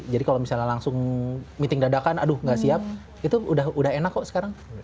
jadi kalau misalnya langsung meeting dadakan aduh nggak siap itu udah enak kok sekarang